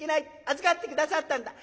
預かって下さったんだ。